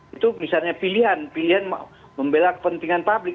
itu misalnya pilihan pilihan membela kepentingan publik